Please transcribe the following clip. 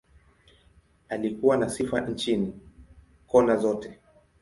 Alikuwa na sifa nchini, kona zote.